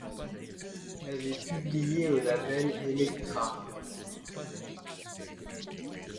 Elle est publiée au label Elektra.